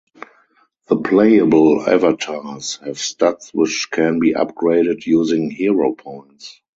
The playable avatars have stats which can be upgraded using "hero points".